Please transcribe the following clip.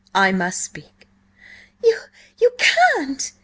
I must speak!" "You–you can't!"